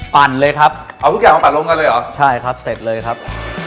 พันเลยครับใช่ครับเสร็จเลยครับ